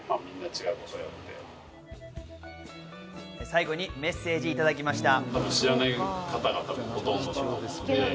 最後にメッセージをいただきました。